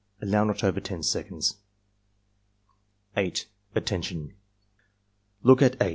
(Allow not over 10 seconds.) 8. "Attention! Look at 8.